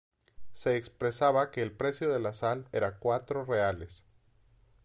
Se expresaba que el precio de la sal era cuatro reales.